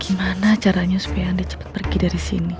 gimana caranya supaya anda cepat pergi dari sini